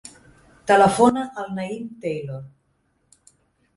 Telefona al Naïm Taylor.